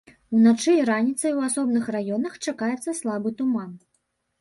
Уначы і раніцай у асобных раёнах чакаецца слабы туман.